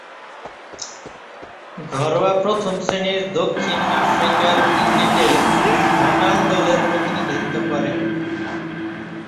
ঘরোয়া প্রথম-শ্রেণীর দক্ষিণ আফ্রিকান ক্রিকেটে নাটাল দলের প্রতিনিধিত্ব করেন।